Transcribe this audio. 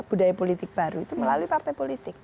budaya politik baru itu melalui partai politik